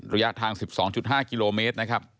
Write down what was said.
ระยะทาง๑๒๕กิโลเมตรนะครับ